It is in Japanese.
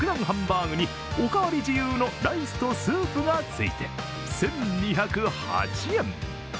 ハンバーグにおかわり自由のライスとスープがついて１２０８円。